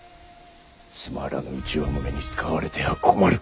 つまらぬ内輪もめに使われては困る。